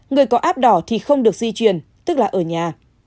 người có app đỏ thì không được di chuyển tức là ở nhà